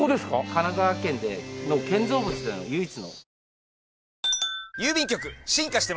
神奈川県の建造物では唯一の。